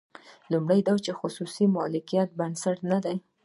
لومړی دا چې خصوصي مالکیت یې بنسټ نه دی.